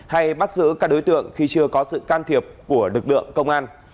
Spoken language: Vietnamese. hay bắt giữ các đối tượng khi chưa có sự can thiệp của lực lượng công an